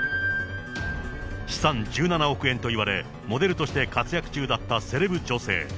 資産１７億円といわれ、モデルとして活躍中だったセレブ女性。